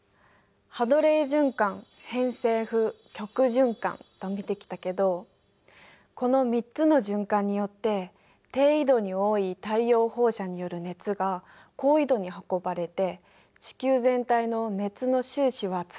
藍子さんと見てきたけどこの３つの循環によって低緯度に多い太陽放射による熱が高緯度に運ばれて地球全体の熱の収支は釣り合ってるのね。